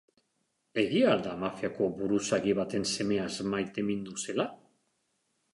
Egia al da mafiako buruzagi baten semeaz maitemindu zela?